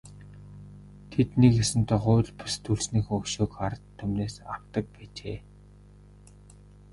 Тэд нэг ёсондоо хууль бус төрснийхөө өшөөг ард түмнээс авдаг байжээ.